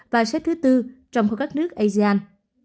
và xếp thứ bốn trong khu các nước asean